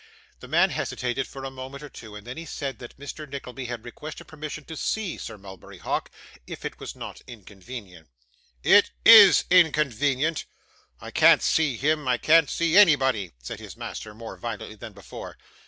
The man hesitated for a moment or two, and then said that Mr. Nickleby had requested permission to see Sir Mulberry Hawk, if it was not inconvenient. 'It IS inconvenient. I can't see him. I can't see anybody,' said his master, more violently than before.